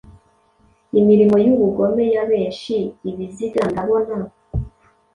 imirimo y'ubugome Ya benshi Ibiziga Ndabona,